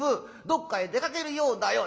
どっかへ出かけるようだよ」。